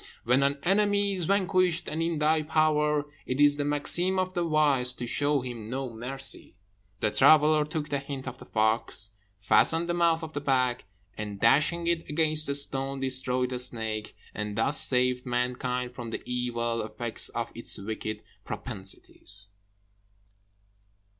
When an enemy is vanquished, and in thy power, It is the maxim of the wise to show him no mercy." The traveller took the hint of the fox, fastened the mouth of the bag, and, dashing it against a stone, destroyed the snake, and thus saved mankind from the evil effects of its wicked propensities.